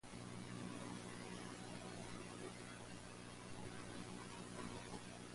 His family was of English and Scottish descent.